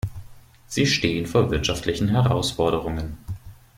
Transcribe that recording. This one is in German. Sie stehen vor wirtschaftlichen Herausforderungen.